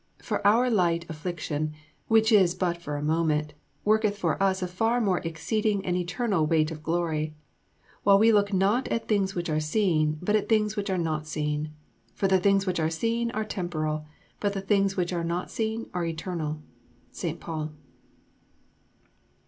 For our light affliction, which is but for a moment, worketh for us a far more exceeding and eternal weight of glory; while we look not at the things which are seen, but at the things which are not seen: for the things which are seen are temporal, but the things which are not seen are eternal. ST. PAUL.